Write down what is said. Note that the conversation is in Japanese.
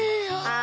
あ。